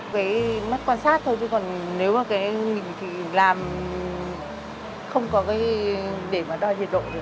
với mất quan sát thôi chứ còn nếu mà làm không có cái để mà đo nhiệt độ được